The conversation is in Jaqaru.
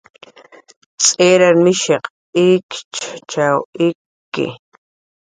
Tz'irar mishinhq ikichkasw ikki